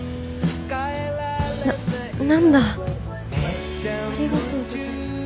な何だありがとうございます。